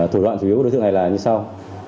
thủ đoạn chủ yếu của đối tượng này là như sau